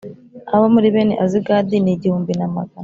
Abo muri bene Azigadi ni igihumbi na magana